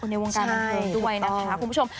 ในวงการบันเทิงด้วยนะคะคุณผู้ชม